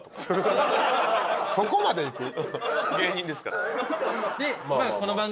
そこまでいく？